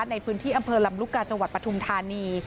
ในพื้นที่อำเภอลำลูกกาจังหวัดปฐุมธานี